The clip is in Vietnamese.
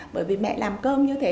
bởi vì mẹ làm cơm như thế